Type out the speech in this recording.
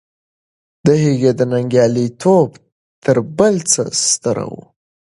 د هغې ننګیالی توب تر بل څه ستر و.